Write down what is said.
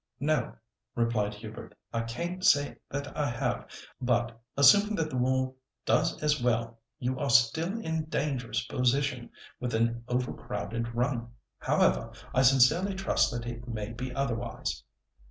"No," replied Hubert, "I can't say that I have; but, assuming that the wool does as well you are still in a dangerous position, with an overcrowded run. However, I sincerely trust that it may be otherwise."